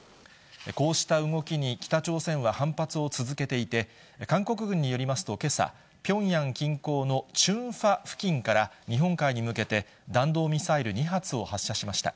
こうした動きに北朝鮮は反発を続けていて、韓国軍によりますと、けさ、ピョンヤン近郊のチュンファ付近から日本海に向けて、弾道ミサイル２発を発車しました。